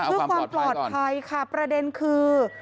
เอาความปลอดภัยก่อนค่ะประเด็นคือ